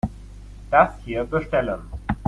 Das hier bestellen.